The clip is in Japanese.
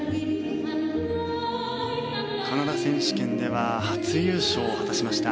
カナダ選手権では初優勝を果たしました。